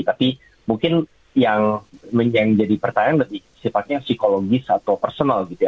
tapi mungkin yang jadi pertanyaan lebih sifatnya psikologis atau personal gitu ya